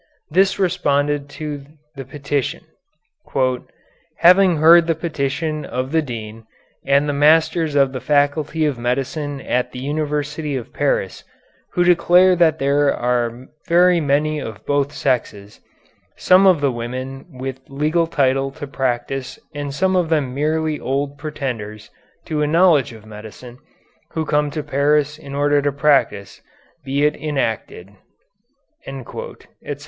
This responded to the petition: 'Having heard the petition of the Dean and the Masters of the Faculty of Medicine at the University of Paris, who declare that there are very many of both sexes, some of the women with legal title to practise and some of them merely old pretenders to a knowledge of medicine, who come to Paris in order to practise, be it enacted,' etc.